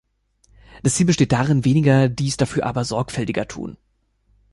Das Ziel besteht darin, weniger, dies dafür aber sorgfältiger tun.